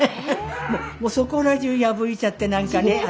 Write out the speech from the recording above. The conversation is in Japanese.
もうそこらじゅう破いちゃって何かね。